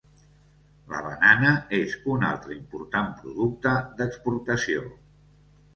La banana és un altre important producte d'exportació.